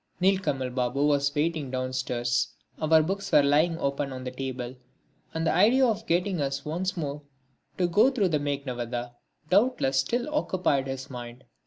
Nilkamal Babu was waiting downstairs, our books were lying open on the table, and the idea of getting us once more to go through the Meghnadvadha doubtless still occupied his mind.